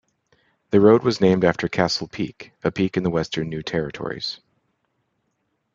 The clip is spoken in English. The road was named after Castle Peak, a peak in the western New Territories.